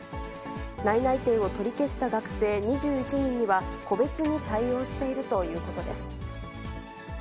内々定を取り消した学生２１人には、個別に対応しているということです。